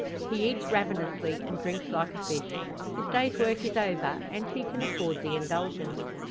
He eats ravenously, and drinks like a fish. His day's work is over, and he can afford the indulgence.